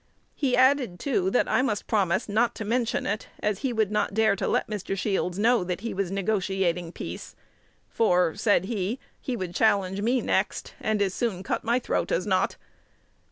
He added, too, that I must promise not to mention it, as he would not dare to let Mr. Shields know that he was negotiating peace; for, said he, "He would challenge me next, and as soon cut my throat as not."